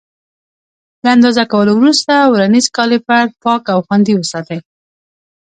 د اندازه کولو وروسته ورنیز کالیپر پاک او خوندي وساتئ.